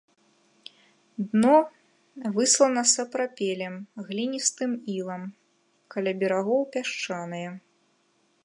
Дно выслана сапрапелем, гліністым ілам, каля берагоў пясчанае.